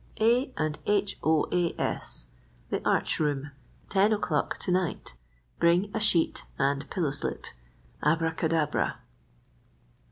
* "A. & H. O. A. S. "_The arch room—ten o'clock to night. Bring a sheet and pillow slip. ABRACADABRA.